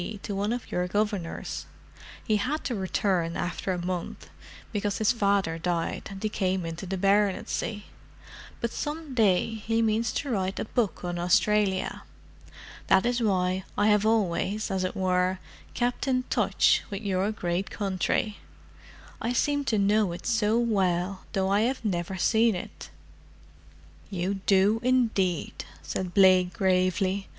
to one of your Governors. He had to return after a month, because his father died and he came into the baronetcy, but some day he means to write a book on Australia. That is why I have always, as it were, kept in touch with your great country. I seem to know it so well, though I have never seen it." "You do, indeed," said Blake gravely.